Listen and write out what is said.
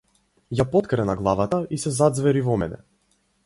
Ја поткрена главата и се заѕвери во мене.